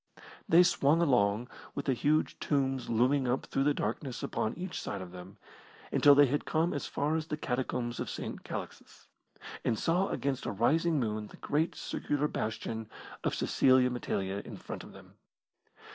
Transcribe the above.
They swung along, with the huge tombs looming up through the darkness upon each side of them, until they had come as far as the Catacombs of St. Calixtus, and saw against a rising moon the great circular bastion of Cecilia Metella in front of them.